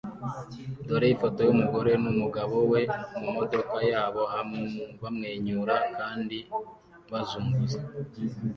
Dore ifoto yumugore numugabo we mumodoka yabo bamwenyura kandi bazunguza